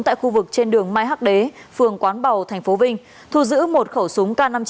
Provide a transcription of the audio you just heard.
tại khu vực trên đường mai hắc đế phường quán bầu thành phố vinh thu giữ một khẩu súng k năm mươi chín